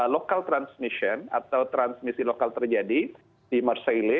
local transmission atau transmisi lokal terjadi di marcele